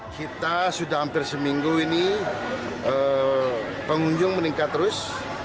kita sudah hampir seminggu ini pengunjung meningkat terus